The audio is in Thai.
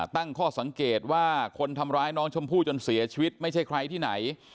ตั้งข้อสังเกตว่าคนทำร้ายน้องชมพู่จนเสียชีวิตไม่ใช่ใครที่ไหน